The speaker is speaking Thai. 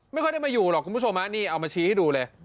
ไม่ค่อยได้มาอยู่หรอกคุณผู้ชมนี่เอามาชี้ให้ดูเลย